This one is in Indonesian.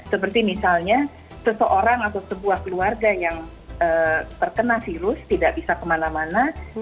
seperti misalnya seseorang atau sebuah keluarga yang terkena virus tidak bisa kemana mana